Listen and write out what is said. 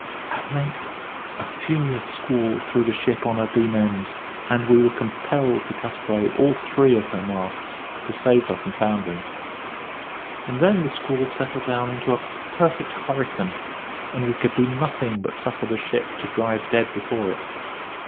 At length a furious squall threw the ship on her beam ends, and we were compelled to cut away all three of her masts to save her from foundering. And then the squall settled down into a perfect hurricane, and we could do nothing but suffer the ship to drive dead before it.